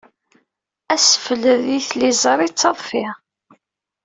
Assefled i tliẓri d taḍfi.